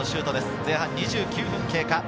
前半２９分経過。